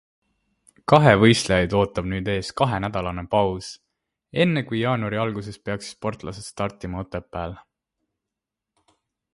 Kahevõistlejaid ootab nüüd ees kahenädalane paus, enne kui jaanuari alguses peaksid sportlased startima Otepääl.